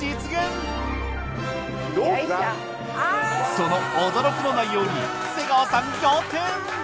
その驚きの内容に瀬川さん仰天！